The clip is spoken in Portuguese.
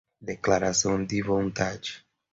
declaração de vontade